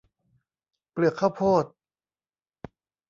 เปลือกข้าวโพด